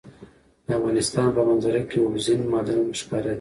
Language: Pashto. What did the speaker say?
د افغانستان په منظره کې اوبزین معدنونه ښکاره ده.